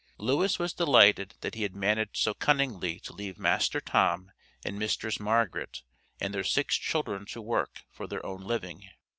Lewis was delighted that he had managed so cunningly to leave master Tom and mistress Margaret, and their six children to work for their own living.